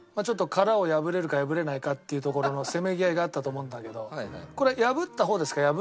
ちょっと殻を破れるか破れないかっていうところのせめぎ合いがあったと思うんだけどこれ破った方ですか？